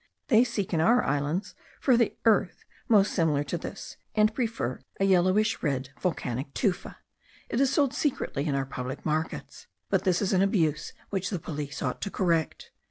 They seek in our islands for the earth most similar to this, and prefer a yellowish red volcanic tufa. It is sold secretly in our public markets; but this is an abuse which the police ought to correct.